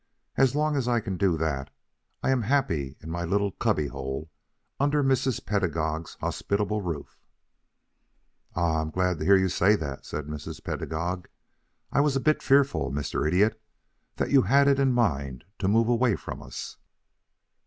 As long as I can do that I am happy in my little cubby hole under Mrs. Pedagog's hospitable roof." "Ah! I am glad to hear you say that," said Mrs. Pedagog. "I was a bit fearful, Mr. Idiot, that you had it in mind to move away from us."